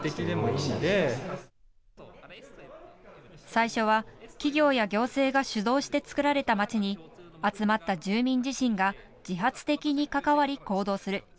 最初は、企業や行政が主導して作られた町に集まった住民自身が自発的に関わり行動する。